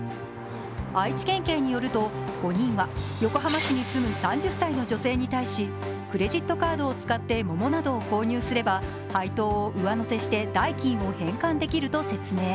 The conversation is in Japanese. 愛知県警によると５人は横浜市に住む３０歳の女性に対しクレジットカードを使って桃などを購入すれば配当を上乗せして代金を返還できると説明。